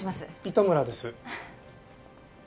糸村です。